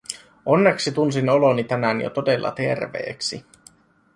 Onneksi tunsin oloni tänään jo todella terveeksi.